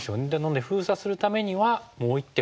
封鎖するためにはもう一手